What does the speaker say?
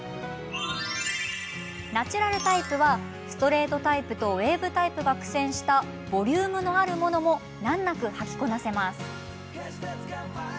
ナチュラルタイプはストレートタイプとウエーブタイプが苦戦したボリュームのあるものも難なくはきこなせます。